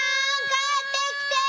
帰ってきて！